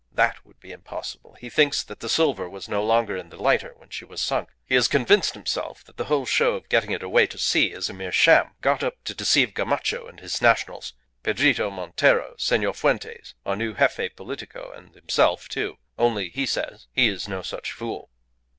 "That would be impossible. He thinks that the silver was no longer in the lighter when she was sunk. He has convinced himself that the whole show of getting it away to sea is a mere sham got up to deceive Gamacho and his Nationals, Pedrito Montero, Senor Fuentes, our new Gefe Politico, and himself, too. Only, he says, he is no such fool."